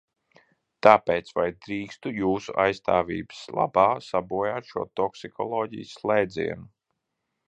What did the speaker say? Tāpēc vai drīkstu jūsu aizstāvības labā sabojāt šo toksikoloģijas slēdzienu?